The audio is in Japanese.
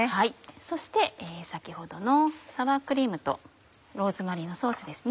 そして先ほどのサワークリームとローズマリーのソースですね。